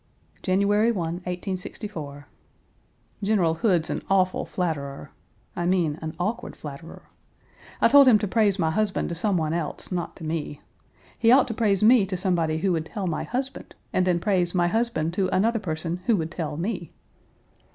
January 1, 1864. General Hood's an awful flatterer I mean an awkward flatterer. I told him to praise my husband to some one else, not to me. He ought to praise me to somebody who would tell my husband, and then praise my husband to another person who would tell me.